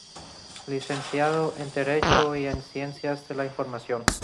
Licenciado en Derecho y en Ciencias de la Información.